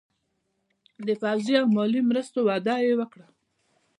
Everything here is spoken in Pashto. د پوځي او مالي مرستو وعده یې ورکړه.